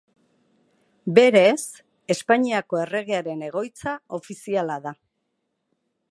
Berez Espainiako Erregearen egoitza ofiziala da.